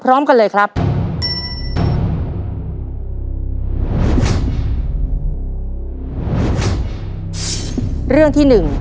ฉันครองนี้